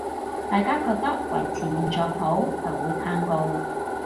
大家覺得維持現狀好，就會撐共